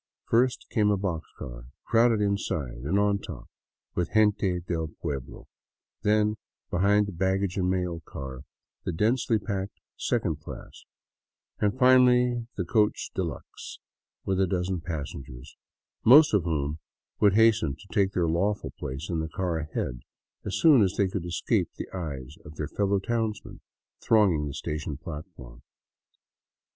First came a box car, crowded inside and on top with gente del pueblo; then, behind the baggage and mail car, the densely packed second class; and finally the coach de luxe with a dozen passengers, most of whom would hasten to take their lawful place in the car ahead as soon as they could escape the eyes of their fellow townsmen thronging the station platform.